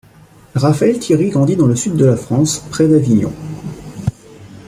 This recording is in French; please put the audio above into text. Raphaël Thierry grandit dans le sud de la France, près d’Avignon.